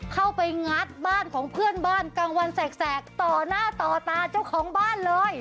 เข้าไปงัดบ้านของเพื่อนบ้านกลางวันแสกต่อหน้าต่อตาเจ้าของบ้านเลย